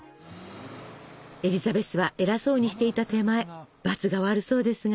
エリザベスは偉そうにしていた手前ばつが悪そうですが。